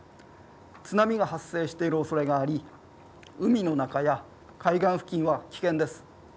津波が発生しているおそれがあり海の中や海岸付近は危険です。